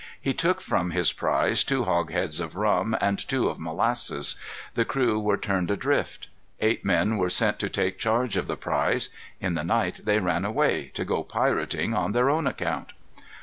He took from his prize two hogsheads of rum and two of molasses. The crew were turned adrift. Eight men were sent to take charge of the prize. In the night they ran away, to go pirating on their own account.